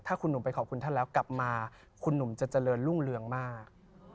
ถ้าคุณหนุ่มไปขอบคุณท่านแล้วกลับมาคุณหนุ่มจะเจริญรุ่งเรืองมาก